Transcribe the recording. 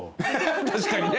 確かにね。